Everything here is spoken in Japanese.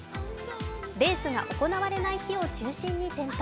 レースが行われない日を中心に点灯。